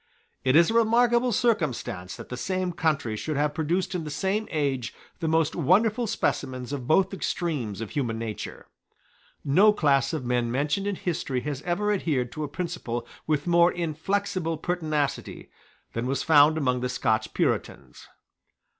It is a remarkable circumstance that the same country should have produced in the same age the most wonderful specimens of both extremes of human nature. No class of men mentioned in history has ever adhered to a principle with more inflexible pertinacity than was found among the Scotch Puritans.